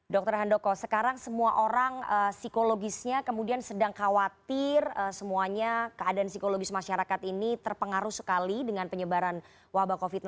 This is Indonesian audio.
dokter handoko sekarang semua orang psikologisnya kemudian sedang khawatir semuanya keadaan psikologis masyarakat ini terpengaruh sekali dengan penyebaran wabah